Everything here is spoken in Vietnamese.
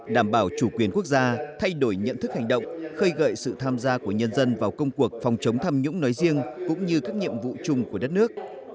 đảm bảo chủ quyền quốc gia thay đổi nhận thức hành động khơi gợi sự tham gia của nhân dân vào công cuộc phòng chống tham nhũng nói riêng cũng như các nhiệm vụ chung của đất nước